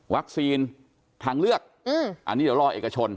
ทางเลือกอันนี้เดี๋ยวรอเอกชน